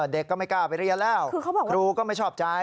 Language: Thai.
เด็กก็ไม่กล้าไปเรียนแล้วครูก็ไม่ชอบใจ